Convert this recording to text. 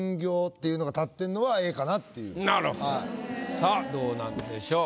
さあどうなんでしょう？